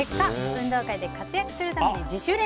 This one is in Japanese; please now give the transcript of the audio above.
運動会で活躍するために自主練。